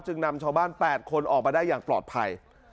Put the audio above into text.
นำชาวบ้าน๘คนออกมาได้อย่างปลอดภัย